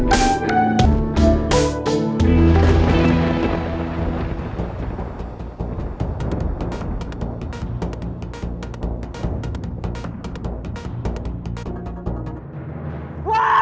aku mau disini lo